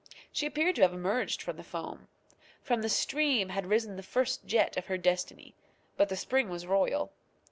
She appeared to have emerged from the foam. From the stream had risen the first jet of her destiny; but the spring was royal.